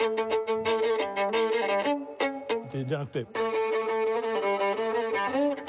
じゃなくて。